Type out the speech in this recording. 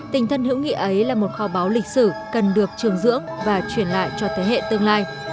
tình thân hữu nghị ấy là một kho báu lịch sử cần được trường dưỡng và truyền lại cho thế hệ tương lai